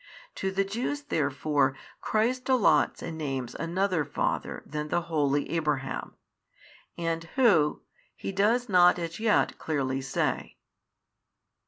To the Jews therefore Christ allots and names another father than the holy Abraham, and who, He does not as yet clearly say.